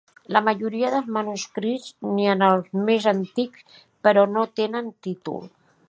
La majoria dels manuscrits, ni en els més antics, però, no tenen títol.